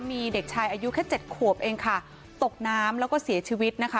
มีเด็กชายอายุแค่เจ็ดขวบเองค่ะตกน้ำแล้วก็เสียชีวิตนะคะ